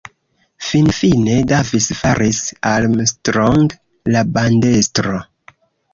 Finfine, Davis faris Armstrong la bandestro.